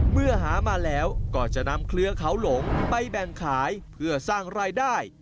เมื่อหามาแล้วก็จะนำเครือเขาหลงไปแบ่งขายเพื่อสร้างรายได้